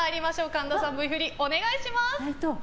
神田さん、Ｖ振りお願いします。